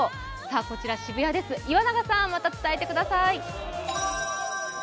こちら、渋谷です、岩永さん、また伝えてください。